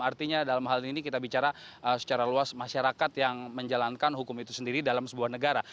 artinya dalam hal ini kita bicara secara luas masyarakat yang menjalankan hukum itu sendiri dalam sebuah negara